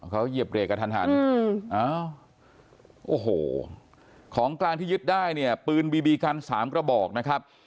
เขาเหยียบเรกกันทันอ้าวโอ้โหของกลางที่ยึดได้เนี่ยปืนบีบีกัน๓กระบอกนะครับ